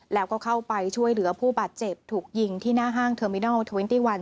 แล้วก็เข้าไปช่วยเหลือผู้บาดเจ็บถูกยิงที่หน้าห้างเทอร์มินัล๒๑